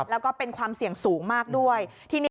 แล้วก็เป็นความเสี่ยงสูงมากด้วย